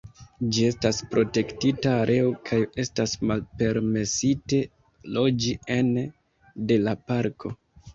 Ĝi estas protektita areo kaj estas malpermesite loĝi ene de la parko.